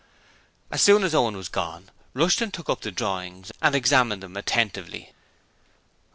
As soon as Owen was gone, Rushton took up the designs and examined them attentively.